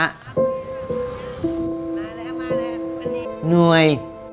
เหนื่อย